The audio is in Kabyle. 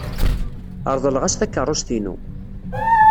Reḍleɣ-as takeṛṛust-inu.